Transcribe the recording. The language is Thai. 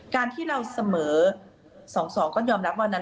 การที่เราเสมอ๒๒ก็ยอมรับวันนั้น